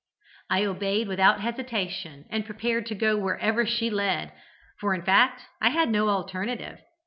"I obeyed without hesitation, and prepared to go wherever she led, for in fact I had no alternative.